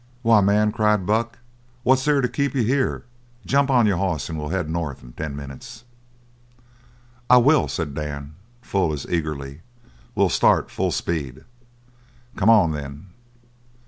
"Why, man," cried Buck, "then what's there to keep you here? Jump on your hoss, and we'll head North in ten minutes." "I will!" said Dan, full as eagerly. "We'll start full speed." "Come on, then."